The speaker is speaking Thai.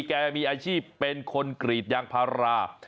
แกมีอาชีพเป็นคนกรีดยางพารา